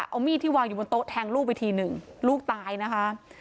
เอามีดที่วางอยู่บนโต๊ะแทงลูกไปทีหนึ่งลูกตายนะคะ